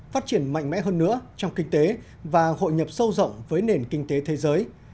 phát triển mạnh mẽ hơn nữa trong kinh tế và hội nhập sâu rộng với nền kinh tế thế giới